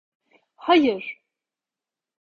Hayir!